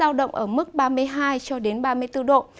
giao động ở mức ba mươi hai cho đến ba mươi bốn độ